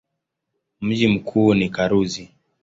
Mji mkuu ni Karuzi.